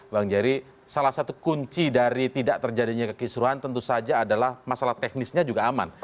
bang jerry salah satu kunci dari tidak terjadinya kekisruhan tentu saja adalah masalah teknisnya juga aman